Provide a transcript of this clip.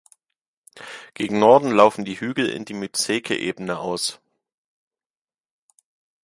Gegen Norden laufen die Hügel in die Myzeqe-Ebene aus.